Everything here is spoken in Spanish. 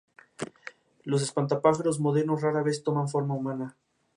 Antiguamente la carretera pasaba por el histórico Puente Ariza sobre el río Guadalimar.